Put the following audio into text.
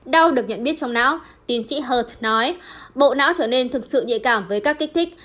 đau được nhận biết trong não tiến sĩ hờ nói bộ não trở nên thực sự nhạy cảm với các kích thích